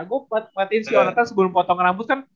gue buat insio nonton sebelum potong rambut kan